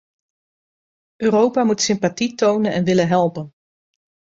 Europa moet sympathie tonen en willen helpen.